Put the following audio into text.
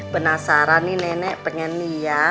penasaran nih nenek pengen liat